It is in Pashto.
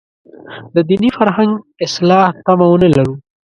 د دیني فرهنګ اصلاح تمه ونه لرو.